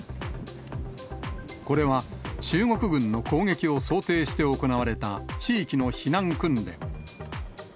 これは中国軍の攻撃を想定して行われた地域の避難訓練。